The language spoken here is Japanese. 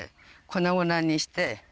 粉々にして。